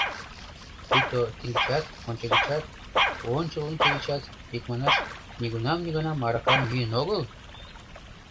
Пуйто теҥгечат, ончыгечат, ончыл ончыгечат, икманаш, нигунам-нигунам аракам йӱын огыл?